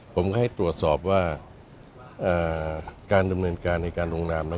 ผมก็ให้ตรวจสอบว่าการดำเนินการในการลงนามนั้น